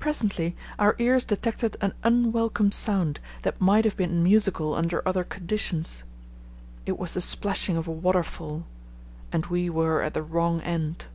Presently our ears detected an unwelcome sound that might have been musical under other conditions. It was the splashing of a waterfall, and we were at the wrong end.